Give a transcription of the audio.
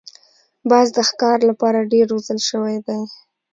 باز د ښکار لپاره ډېر روزل شوی دی